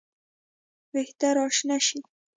وېښته راشنه شي